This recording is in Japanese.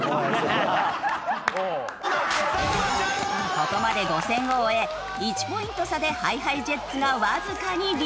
ここまで５戦を終え１ポイント差でＨｉＨｉＪｅｔｓがわずかにリード。